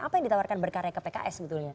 apa yang ditawarkan berkarya ke pks sebetulnya